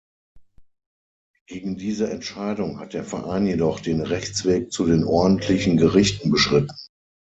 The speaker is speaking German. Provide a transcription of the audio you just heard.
Gegen diese Entscheidung hat der Verein jedoch den Rechtsweg zu den ordentlichen Gerichten beschritten.